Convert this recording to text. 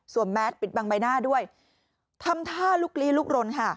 แมสปิดบังใบหน้าด้วยทำท่าลุกลี้ลุกรนค่ะ